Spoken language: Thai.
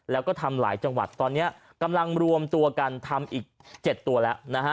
แล้วก็ทำหลายจังหวัดตอนนี้กำลังรวมตัวกันทำอีก๗ตัวแล้วนะฮะ